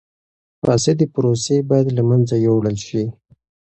فاسدی پروسې باید له منځه یوړل شي.